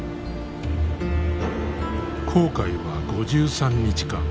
航海は５３日間。